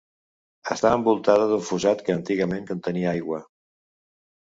Està envoltada d'un fossat que antigament contenia aigua.